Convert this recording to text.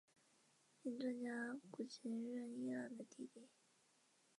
名作家谷崎润一郎的弟弟。